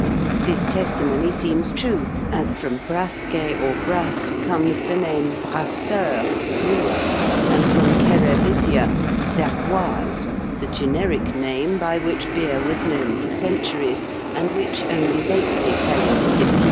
This testimony seems true, as from brasce or brasse comes the name brasseur (brewer), and from cerevisia, cervoise, the generic name by which beer was known for centuries, and which only lately fell into disuse.